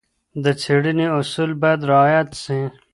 د څېړني اصول باید رعایت سي.